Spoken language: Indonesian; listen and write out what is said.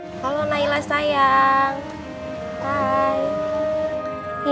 tapi kalau nailah itu sudah berani dia akan bisa mencari anaknya sendiri